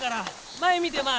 前見て前。